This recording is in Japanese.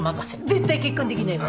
絶対結婚できないわ！